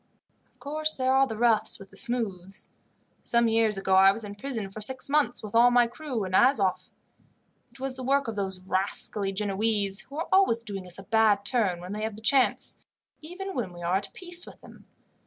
"Of course there are the roughs with the smooths. Some years ago I was in prison for six months, with all my crew, in Azoff. It was the work of those rascally Genoese, who are always doing us a bad turn when they have the chance, even when we are at peace with them.